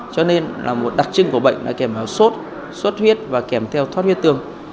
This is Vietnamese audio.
cho nên là một đặc trưng của bệnh là kèm sốt sốt huyết và kèm theo thoát huyết tương